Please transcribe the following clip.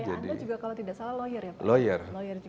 anda juga kalau tidak salah lawyer ya pak